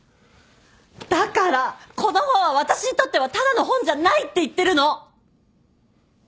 だからこの本は私にとってはただの本じゃないって言ってるの！